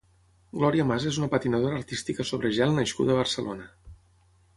Gloria Mas és una patinadora artística sobre gel nascuda a Barcelona.